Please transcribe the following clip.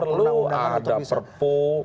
tidak perlu ada perpu